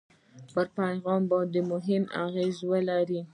پر پیغام باندې مهمه اغېزه ولري.